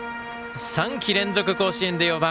３季連続甲子園で４番。